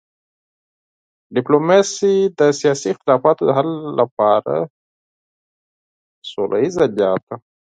ډیپلوماسي د سیاسي اختلافاتو د حل لپاره سوله ییزه لار ده.